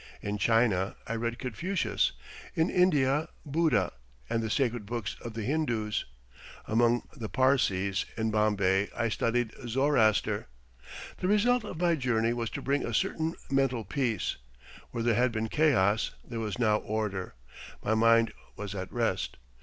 In China I read Confucius; in India, Buddha and the sacred books of the Hindoos; among the Parsees, in Bombay, I studied Zoroaster. The result of my journey was to bring a certain mental peace. Where there had been chaos there was now order. My mind was at rest.